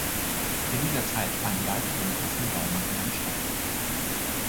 In dieser Zeit fanden weitere umfassende Baumaßnahmen statt.